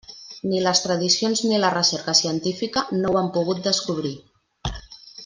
Ni les tradicions ni la recerca científica no ho han pogut descobrir.